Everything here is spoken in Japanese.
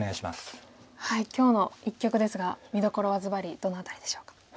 今日の一局ですが見どころはずばりどの辺りでしょうか？